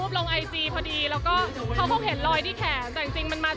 พี่คิดไม่ได้ทำ